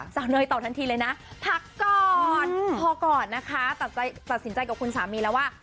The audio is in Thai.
เนยตอบทันทีเลยนะพักก่อนพอก่อนนะคะตัดสินใจกับคุณสามีแล้วว่า